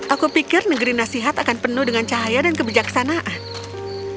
aku pikir negeri nasihat akan penuh dengan cahaya dan kebijaksanaan